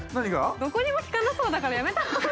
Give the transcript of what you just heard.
どこにも効かなそうだからやめたら？